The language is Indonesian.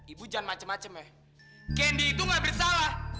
ibu jangan macem macem ya candy itu gak bersalah